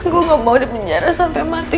gua enggak mau dipenjara sampe mati